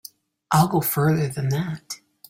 I'll go further than that.